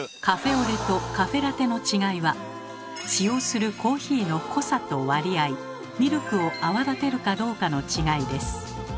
カフェオレとカフェラテの違いは「使用するコーヒーの濃さと割合」「ミルクを泡立てるかどうか」の違いです。